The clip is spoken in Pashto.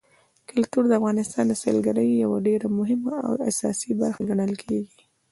کلتور د افغانستان د سیلګرۍ یوه ډېره مهمه او اساسي برخه ګڼل کېږي.